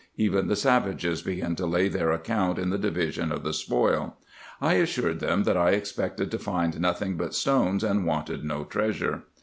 Even the savages began to lay their account in the division of the spoil. I assured them that I expected to find nothing but stones, and wanted no treasure.